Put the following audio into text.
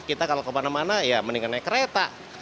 kita kalau kemana mana ya mendingan naik kereta